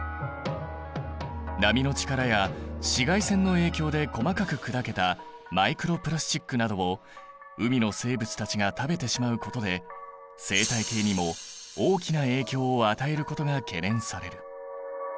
波の力や紫外線の影響で細かく砕けたマイクロプラスチックなどを海の生物たちが食べてしまうことで生態系にも大きな影響を与えることが懸念される。